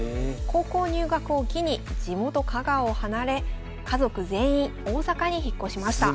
高校入学を機に地元・香川を離れ家族全員大阪に引っ越しました。